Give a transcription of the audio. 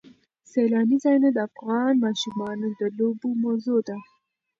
سیلاني ځایونه د افغان ماشومانو د لوبو موضوع ده.